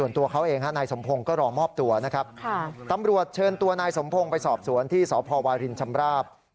ตำรวจเชิญตัวนายสมโพงไปสอบสวนที่สตวาลินชำราบ